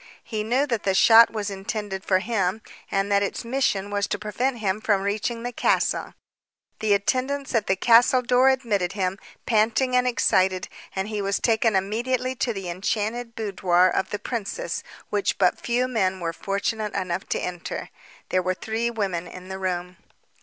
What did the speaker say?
He knew that the shot was intended for him, and that its mission was to prevent him from reaching the castle. The attendants at the castle door admitted him, panting and excited, and he was taken immediately to the enchanted boudoir of the princess which but few men were fortunate enough to enter. There were three women in the room.